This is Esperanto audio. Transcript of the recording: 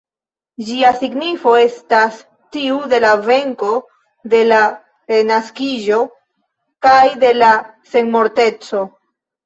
Ĝia signifo estas tiu de la venko, de la renaskiĝo kaj de la senmorteco.